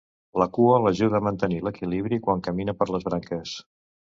La cua l'ajuda a mantenir l'equilibri quan camina per les branques.